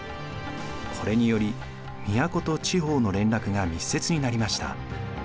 これにより都と地方の連絡が密接になりました。